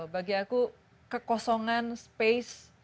bagi aku kekosongan space